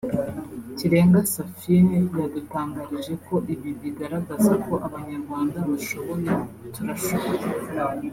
Kirenga Saphine yadutangarije ko ibi bigaragaza ko Abanyarwanda bashoboye “Turashoboye